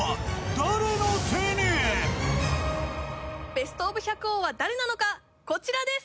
ベストオブ百王は誰なのかこちらです！